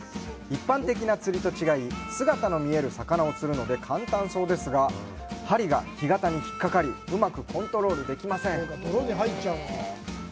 一般的な釣りと違い、姿の見える魚を釣るので簡単そうですが、針が干潟にひっかかり、うまくコントロールできません。